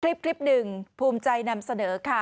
คลิปหนึ่งภูมิใจนำเสนอค่ะ